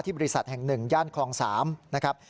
บริษัทแห่ง๑ย่านคลอง๓นะครับ